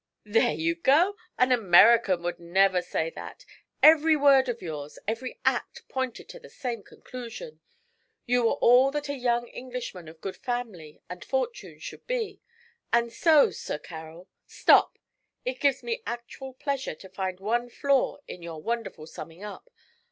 'There you go! An American never would say that. Every word of yours, every act pointed to the same conclusion. You were all that a young Englishman of good family and fortune should be; and so, Sir Carroll ' 'Stop! It gives me actual pleasure to find one flaw in your wonderful summing up.